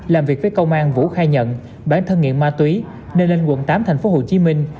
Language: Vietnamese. làm việc với công an vũ khai nhận bản thân nghiện ma túy nên quận tám thành phố hồ chí minh